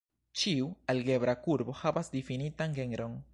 Ĉiu algebra kurbo havas difinitan genron.